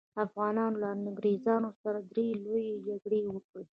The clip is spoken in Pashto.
افغانانو له انګریزانو سره درې لويې جګړې وکړې.